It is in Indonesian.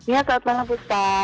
ya selamat malam pustah